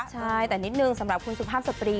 ใช่แต่นิดนึงสำหรับคุณสุภาพสตรี